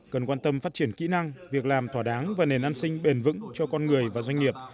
cần quan tâm phát triển kỹ năng việc làm thỏa đáng và nền an sinh bền vững cho con người và doanh nghiệp